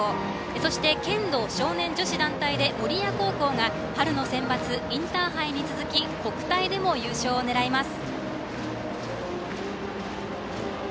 そして、剣道少年女子団体で守谷高校が春の選抜インターハイに続き国体でも優勝を狙います。